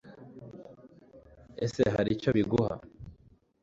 ese hari icyo biguha